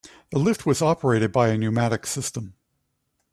The lift was operated by a pneumatic system.